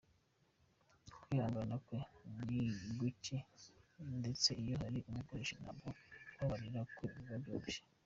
Kwihangana kwe ni guke ndetse iyo hari umukoshereje ntabwo kubabarira kwe biba byoroshye.